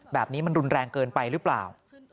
แบบนี้มันรุนแรงเกินไปหรือเปล่า